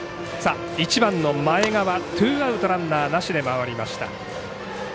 １番の前川ツーアウトランナーなしで終わりました。